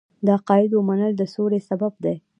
د عقایدو منل د سولې سبب دی.